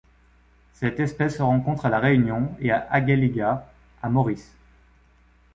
Cette espèce se rencontre à La Réunion et à Agaléga à Maurice.